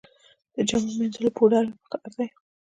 د جامو مینځلو پوډر مې په کار دي